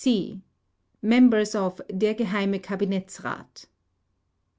c) Members of Der Geheime Kabinettsrat.